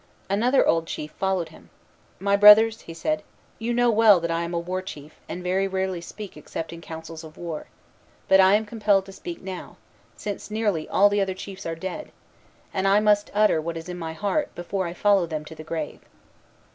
Another old chief followed him. "My brothers," he said, "you know well that I am a war chief, and very rarely speak except in councils of war; but I am compelled to speak now, since nearly all the other chiefs are dead, and I must utter what is in my heart before I follow them to the grave.